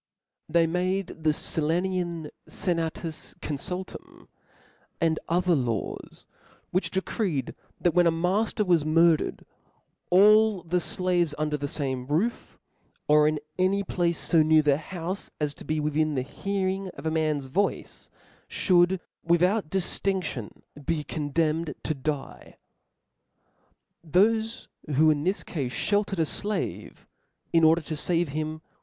They made the Sillanian SenatusConfuItuoii (') Sec the and other laws (0 which decreed, that when a tie of the niafter was murdered, all the flaves under the fame SenaL roof, or in any place fo near the houfe, as to* inff! ^' be within the hearing of a man's voice, fliould with out diftinction be condemned to die. Thofe who, in this cafe, fheltered a flave, in order to fave him, (9)Leg.